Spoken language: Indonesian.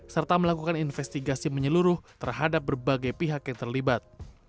serta melakukan investigasi menyeluruh terhadap berbagai pihak yang terlibat